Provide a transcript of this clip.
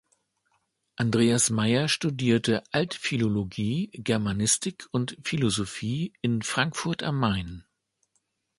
Andreas Maier studierte Altphilologie, Germanistik und Philosophie in Frankfurt am Main.